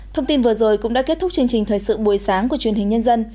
thông tin vừa rồi cũng đã kết thúc chương trình thời sự buổi sáng của truyền hình nhân dân